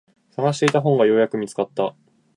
探していた本がようやく見つかった。